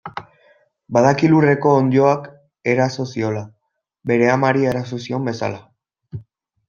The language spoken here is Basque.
Badaki lurreko onddoak eraso ziola, bere amari eraso zion bezala.